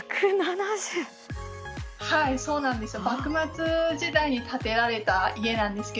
はいそうなんですよ。